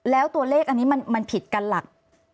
แล้วตัวเลขอันนี้มันผิดกันหลัก